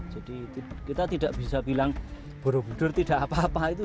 jadi kita tidak bisa bilang borobudur tidak apa apa itu